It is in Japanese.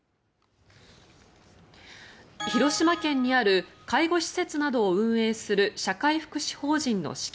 広島県にある介護施設などを運営する社会福祉法人の資金